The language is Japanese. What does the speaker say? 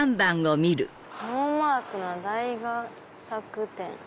「ノーマークな大贋作展」。